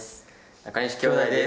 中西兄弟です。